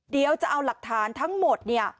เดี๋ยวจะเอาหลักฐานทั้งหมด